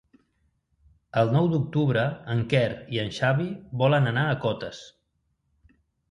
El nou d'octubre en Quer i en Xavi volen anar a Cotes.